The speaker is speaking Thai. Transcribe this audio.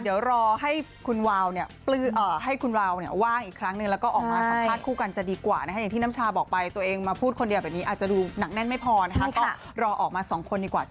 เดี๋ยวรอให้คุณวาวว่างอีกครั้งนึง